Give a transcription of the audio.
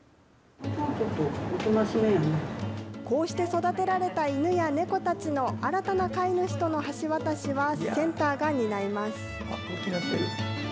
こうして育てられた犬や猫たちの新たな飼い主との橋渡しはセンターが担います。